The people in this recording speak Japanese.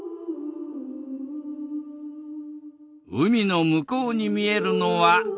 海の向こうに見えるのは